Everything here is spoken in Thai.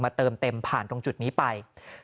เติมเต็มผ่านตรงจุดนี้ไป